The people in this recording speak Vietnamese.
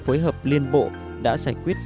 phối hợp liên bộ đã giải quyết